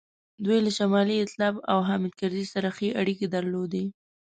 دوی له شمال ایتلاف او حامد کرزي سره ښې اړیکې درلودې.